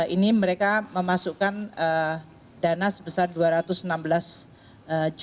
ini mereka memasukkan dana sebesar rp dua